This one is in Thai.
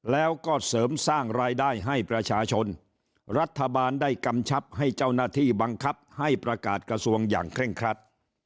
แล้วก็เสริมสร้างรายได้ให้ประชาชนรัฐบาลได้กำชับให้เจ้าหน้าที่บังคับให้ประกาศกระทรวงอย่างเคร่งครัด